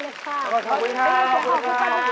คุณคะเจอด้านในเลยค่ะ